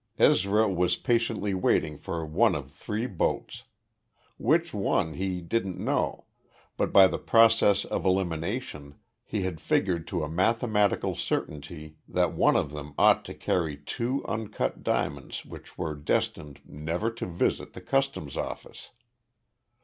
Ezra was patiently waiting for one of three boats. Which one, he didn't know but by the process of elimination he had figured to a mathematical certainty that one of them ought to carry two uncut diamonds which were destined never to visit the customs office.